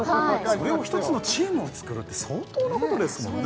それを１つのチームを作るって相当なことですもんね